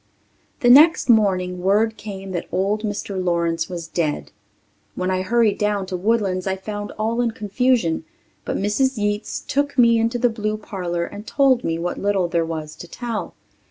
The next morning word came that old Mr. Lawrence was dead. When I hurried down to Woodlands I found all in confusion, but Mrs. Yeats took me into the blue parlour and told me what little there was to tell.